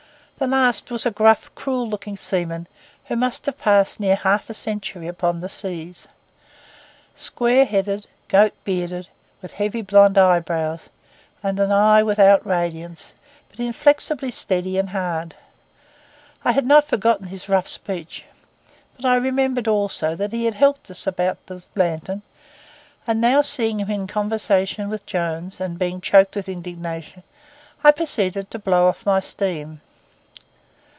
This last was a gruff, cruel looking seaman, who must have passed near half a century upon the seas; square headed, goat bearded, with heavy blond eyebrows, and an eye without radiance, but inflexibly steady and hard. I had not forgotten his rough speech; but I remembered also that he had helped us about the lantern; and now seeing him in conversation with Jones, and being choked with indignation, I proceeded to blow off my steam.